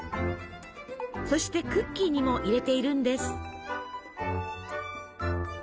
そしてクッキーにも入れているんです。